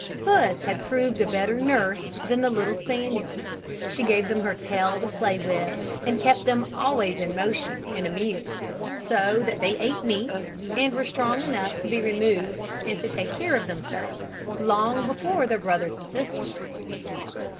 Puss had proved a better nurse than the little spaniel. She gave them her tail to play with, and kept them always in motion and amused, so that they ate meat, and were strong enough to be removed and to take care of themselves, long before their brothers and sisters.